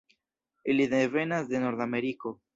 Ili devenas de Nordameriko.